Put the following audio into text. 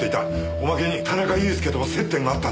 おまけに田中裕介とも接点があったんです。